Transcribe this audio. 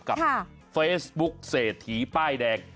กับเฟซบุ๊คเศรษฐีป้ายแดง